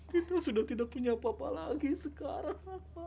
kita sudah tidak punya apa apa lagi sekarang